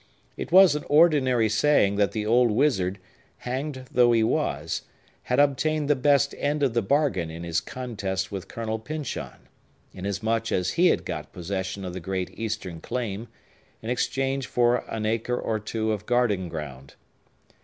It was an ordinary saying that the old wizard, hanged though he was, had obtained the best end of the bargain in his contest with Colonel Pyncheon; inasmuch as he had got possession of the great Eastern claim, in exchange for an acre or two of garden ground.